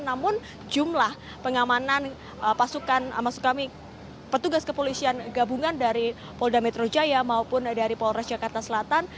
namun jumlah pengamanan pasukan maksud kami petugas kepolisian gabungan dari polda metro jaya maupun dari polres jakarta selatan